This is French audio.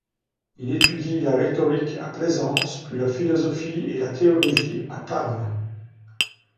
Il étudie la rhétorique à Plaisance puis la philosophie et la théologie à Parme.